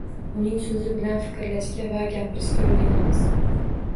Uning So‘zi bilan fikrlashga va gapirishga o‘rganamiz.